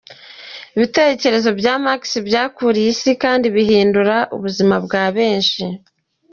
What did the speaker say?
Ibitekerezo bya Marx byakwiriye isi kandi bihindura ubuzima bwa benshi.